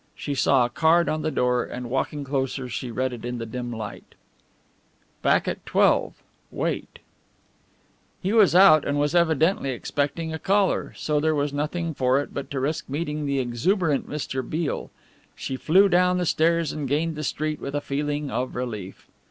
She saw a card on the door and walking closer she read it in the dim light. ++||||| BACK AT 12. WAIT. |||||++ He was out and was evidently expecting a caller. So there was nothing for it but to risk meeting the exuberant Mr. Beale. She flew down the stairs and gained the street with a feeling of relief.